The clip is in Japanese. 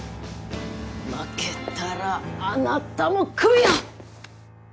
負けたらあなたもクビよ！